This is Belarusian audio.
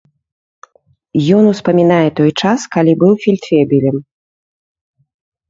Ён успамінае той час, калі быў фельдфебелем.